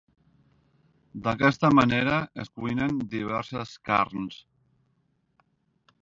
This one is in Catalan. D'aquesta manera es cuinen diverses carns.